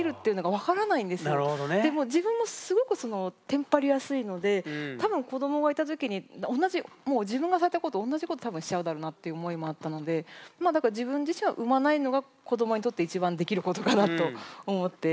で自分もすごくテンパりやすいので多分子どもがいた時に同じもう自分がされたことおんなじこと多分しちゃうだろうなって思いもあったのでまあだから自分自身は産まないのが子どもにとって一番できることかなと思って。